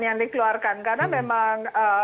yang dikeluarkan karena memang